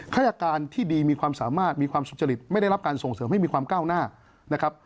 ฆาตการที่ดีมีความสามารถมีความสุจริตไม่ได้รับการส่งเสริมให้มีความก้าวหน้านะครับ